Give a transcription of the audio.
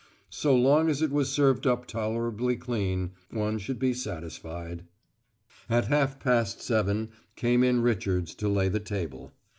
So long as it was served up tolerably clean, one should be satisfied. At half past seven came in Richards to lay the table.